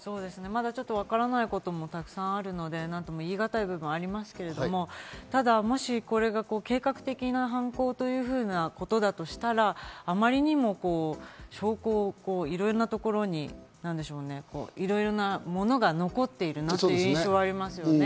まだわからないことがたくさんあるので何とも言いがたい部分がありますけど、もしこれが計画的な犯行というふうなことだとしたら、あまりにも証拠をいろんなところに、いろいろな物が残っているなという印象がありますね。